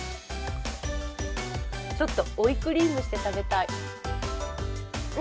ちょっと追いクリームして食べたい。